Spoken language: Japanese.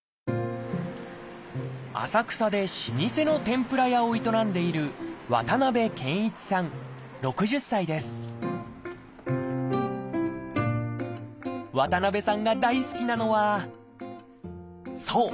浅草で老舗の天ぷら屋を営んでいる渡さんが大好きなのはそう！